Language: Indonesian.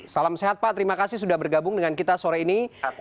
salam sehat pak terima kasih sudah bergabung dengan kita sore ini